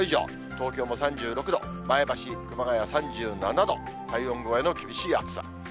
東京も３６度、前橋、熊谷３７度、体温超えの厳しい暑さ。